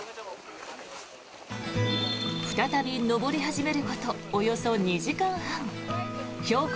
再び登り始めることおよそ２時間半標高